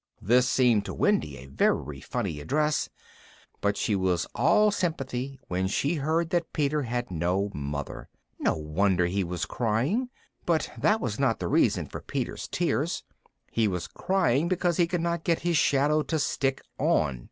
This seemed to Wendy a very funny address, but she was all sympathy when she heard that Peter had no mother. No wonder he was crying! But that was not the reason for Peter's tears; he was crying because he could not get his shadow to stick on.